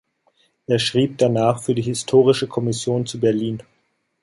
Er schrieb danach für die Historische Kommission zu Berlin.